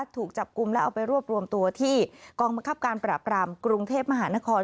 ถูกจับกลุ่มแล้วเอาไปรวบรวมตัวที่กองบังคับการปราบรามกรุงเทพมหานคร